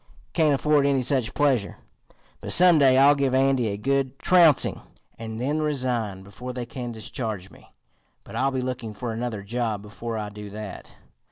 Can't afford any such pleasure. But some day I'll give Andy a good trouncing, and then resign before they can discharge me. But I'll be looking for another job before I do that.